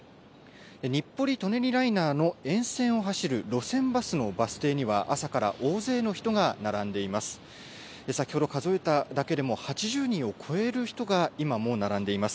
日暮里・舎人ライナーの沿線を走る路線バスのバス停には朝から大勢の人が並んでいます。